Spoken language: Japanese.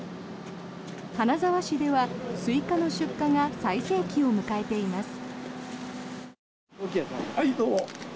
金沢市ではスイカの出荷が最盛期を迎えています。